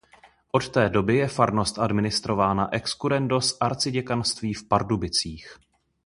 Od té doby je farnost administrována ex currendo z arciděkanství v Pardubicích.